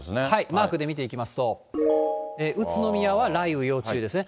マークで見ていきますと、宇都宮は雷雨、要注意ですね。